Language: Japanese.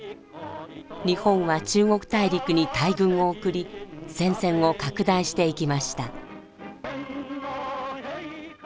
日本は中国大陸に大軍を送り戦線を拡大していきました。